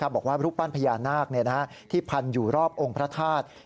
บอกว่ารูปปั้นพญานาคที่พันอยู่รอบองค์พระธาตุ